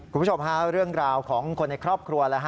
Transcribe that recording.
คุณผู้ชมฮะเรื่องราวของคนในครอบครัว